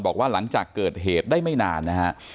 บอกว่าหลังจากเกิดเหตุได้ไม่นานนะฮะ